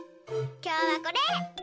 きょうはこれ！